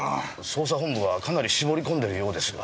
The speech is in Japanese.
捜査本部はかなり絞り込んでるようですが。